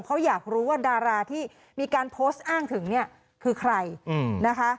เพราะอยากรู้ว่าดาราที่มีการโพสต์อ้างถึงเนี่ยคือใครนะคะ